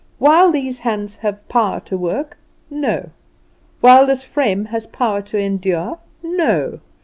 While these hands have power to work, NO. While this frame has power to endure, NO.